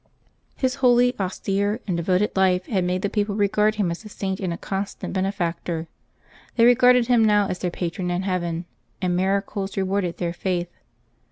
^" His holy, austere, and devoted life had made the people regard him as a saint and a constant benefactor. They re garded him now as their patron in heaven, and miracles rewarded their faith.